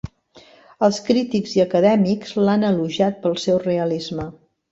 Els crítics i acadèmics l'han elogiat pel seu realisme.